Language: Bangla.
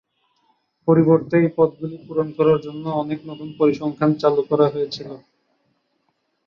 পরিবর্তে, এই পদগুলি পূরণ করার জন্য অনেক নতুন পরিসংখ্যান চালু করা হয়েছিল।